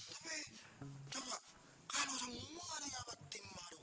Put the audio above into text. tapi coba kalau semua ada yang berhati mati